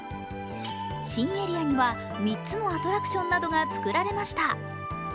新エリアには３つのアトラクションなどが作られました。